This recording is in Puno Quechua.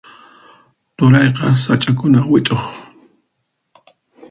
Turayqa sach'akuna wit'uq.